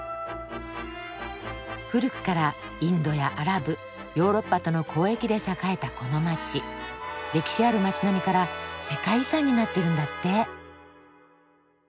古くからインドやアラブヨーロッパとの交易で栄えたこの街歴史ある街並みから世界遺産になってるんだって。